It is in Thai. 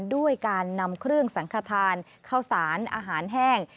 ด้วยการนำเครื่องสังขทานข้าวสารอาหารแห้ง